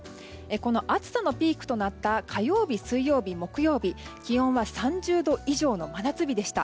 この暑さのピークとなった火曜日、水曜日、木曜日気温は３０度以上の真夏日でした。